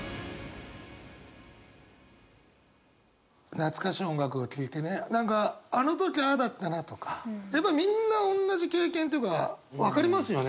懐かしい音楽を聴いてね何かあの時ああだったなとかやっぱりみんなおんなじ経験っていうか分かりますよね？